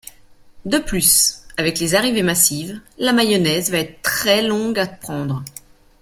De plus, avec les arrivées massives, la mayonnaise va être très longue à prendre.